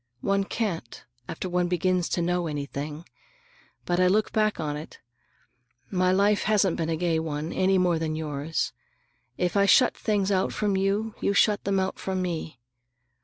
One can't, after one begins to know anything. But I look back on it. My life hasn't been a gay one, any more than yours. If I shut things out from you, you shut them out from me.